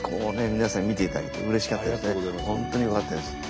皆さんに見ていただけてうれしかったですね。